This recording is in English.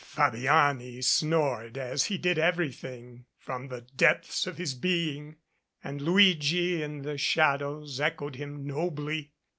Fabiani snored, as he did everything, from the depths of his being, and Luigi, in the shadows, echoed him nobly.